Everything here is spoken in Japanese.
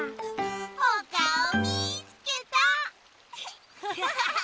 おかおみつけた！